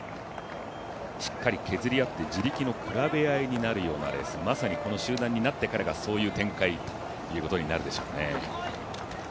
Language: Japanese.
しっかり削り合って自力の比べ合いになるようなレース、まさにこの集団になってからがそういう展開ということになるでしょうね。